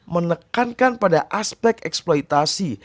menekankan pada aspek eksploitasi